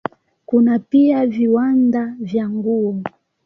Kuna pia viwanda vya nguo.